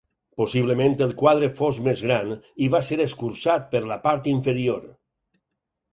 Possiblement el quadre fos més gran, i va ser escurçat per la part inferior.